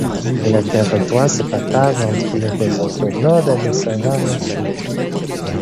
Le territoire se partage entre le désert au nord et la savane au sud.